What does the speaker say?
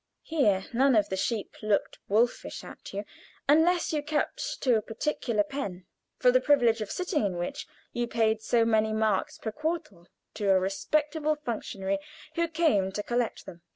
Here none of the sheep looked wolfish at you unless you kept to a particular pen, for the privilege of sitting in which you paid so many marks per quartal to a respectable functionary who came to collect them.